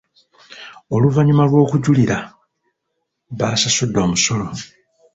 Oluvannyuma lw'okujulira baasasudde omusolo.